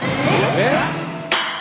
えっ！？